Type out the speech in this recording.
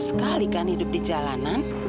sekalikan hidup di jalan